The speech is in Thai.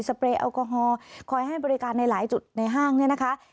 เปรย์แอลกอฮอล์คอยให้บริการในหลายจุดในห้างเนี่ยนะคะ